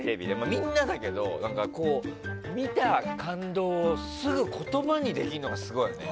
みんなだけど、見た感動をすぐ言葉にできるのがすごいよね。